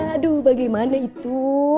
aduh bagaimana itu